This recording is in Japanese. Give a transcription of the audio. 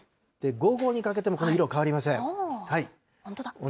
午後にかけてもこの色は変わりま本当だ。